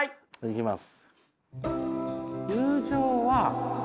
いきます。